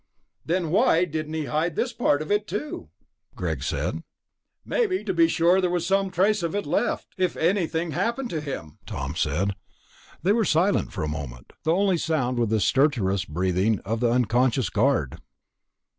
"Then why didn't he hide this part of it, too?" Greg said. "Maybe to be sure there was some trace left, if anything happened to him," Tom said. They were silent for a moment. The only sound was the stertorous breathing of the unconscious guard.